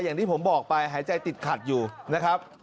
อย่างที่ผมบอกไปหายใจติดขัดอยู่นะครับ